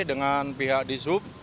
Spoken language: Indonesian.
dengan pihak dishub